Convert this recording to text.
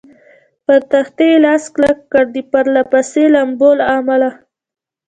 پر تختې لاس کلک کړ، د پرله پسې لامبو له امله.